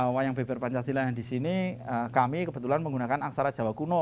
wayang beber pancasila yang di sini kami kebetulan menggunakan aksara jawa kuno